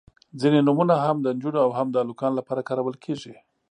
• ځینې نومونه هم د نجونو او هم د هلکانو لپاره کارول کیږي.